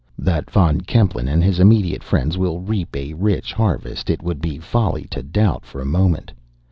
That Von Kempelen and his immediate friends will reap a rich harvest, it would be folly to doubt for a moment.